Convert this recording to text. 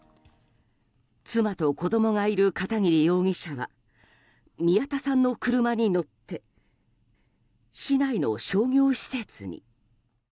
妻と子供がいる片桐容疑者は宮田さんの車に乗って市内の商業施設に。